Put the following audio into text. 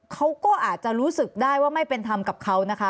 เขาก็อาจจะรู้สึกได้ว่าไม่เป็นธรรมกับเขานะคะ